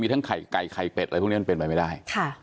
ทั้งไข่ไก่ไข่เป็ดอะไรพวกนี้มันเป็นไปไม่ได้